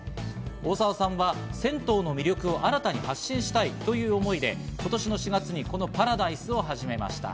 大澤さんは銭湯の魅力を新たに発信したいという思いで今年の４月、このＰＡＲＡＤＩＳＥを始めました。